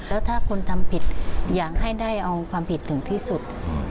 แล้วถ้าคนทำผิดอยากให้ได้เอาความผิดถึงที่สุด